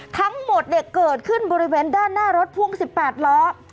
ทั้งหมดเกิดขึ้นบริเวณด้านหน้ารถพ่วง๑๘ล้อ